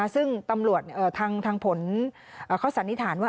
ซึ่งตำรวจทางผลเขาสันนิษฐานว่า